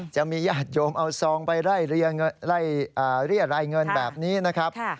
ญาติโยมเอาซองไปไล่เรียรายเงินแบบนี้นะครับ